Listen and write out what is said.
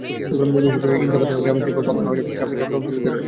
বিশেষ করে ইনাতাবাদ গ্রামে ভাঙন তীব্র হওয়ায় গ্রামের রাস্তাটি হুমকির মুখে রয়েছে।